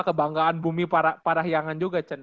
kebanggaan bumi parah parah yangan juga chen